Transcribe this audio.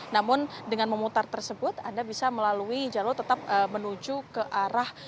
namun dengan memutar tersebut anda bisa melalui jalur tetap menuju ke arah